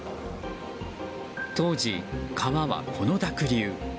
当時、川はこの濁流。